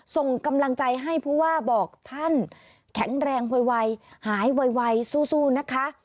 ส่งกำลังใจให้ผู้ว่าบอกท่านแข็งแรงไวหายไวสู้นะคะ